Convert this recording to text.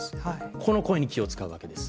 この声に気を遣うわけです。